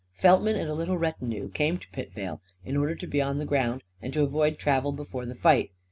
Feltman and a little retinue came to Pitvale, in order to be on the ground, and to avoid travel before the fight.